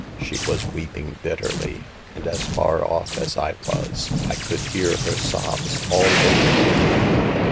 Sheggras weeping bitterly, and as far off as I was, xrcould hear her sobs all over the room.